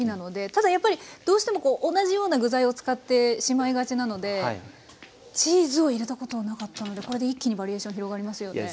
ただやっぱりどうしても同じような具材を使ってしまいがちなのでチーズを入れたことはなかったのでこれで一気にバリエーション広がりますよね。